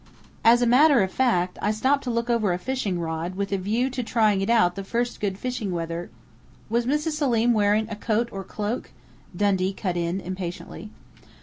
As a matter of fact, I stopped to look over a fishing rod, with a view to trying it out the first good fishing weather " "Was Mrs. Selim wearing a coat or cloak?" Dundee cut in impatiently.